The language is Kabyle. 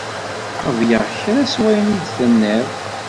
Qebleɣ kra seg wayen ay d-tennid.